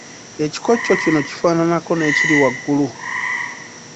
Ekikoco kino kifaananako n’ekiri waggulu.